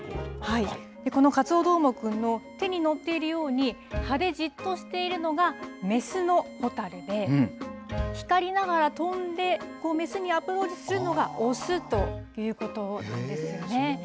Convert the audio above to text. このカツオどーもくんの手に乗っているように葉でじっとしているのが雌の蛍で光りながら飛んでこう雌にアプローチするのが雄ということなんですよね。